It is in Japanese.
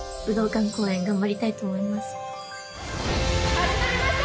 始まりました！